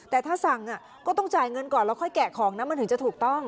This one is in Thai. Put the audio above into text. แต่ถ้าสั่งก็ต้องจ่ายเงินก่อนแล้วค่อยแกะของนะมันถึงจะถูกต้อง